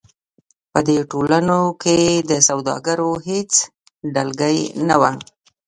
په دې ټولنو کې د سوداګرو هېڅ ډلګۍ نه وه.